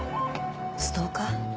ストーカー？